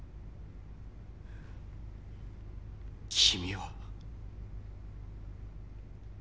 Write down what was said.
君は。